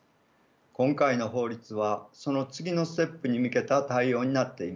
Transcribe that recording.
今回の法律はその次のステップに向けた対応になっています。